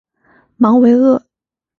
芒维厄。